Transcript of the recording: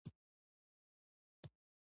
فور بای فور موټرونه هم هلته لیدل کیږي